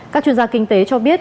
các chuyên gia kinh tế cho biết